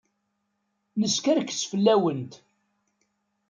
Neskerkes fell-awent.